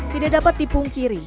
tidak dapat dipungkiri